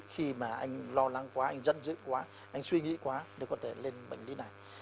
khi mà anh lo lắng quá anh dân giữ quá anh suy nghĩ quá mới có thể lên bệnh lý này